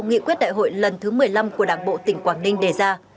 nghị quyết đại hội lần thứ một mươi năm của đảng bộ tỉnh quảng ninh đề ra